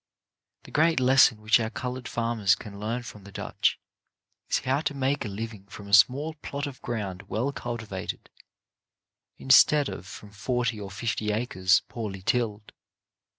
EUROPEAN IMPRESSIONS 73 The great lesson which our coloured farmers can learn from the Dutch, is how to make a living from a small plot of ground well cultivated, in stead of from forty or fifty acres poorly tilled.